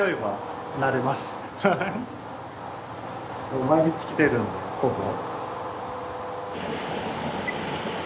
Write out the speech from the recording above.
もう毎日来てるんでここ。